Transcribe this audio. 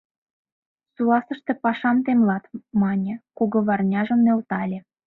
— Суасыште пашам темлат, — мане, кугыварняжым нӧлтале.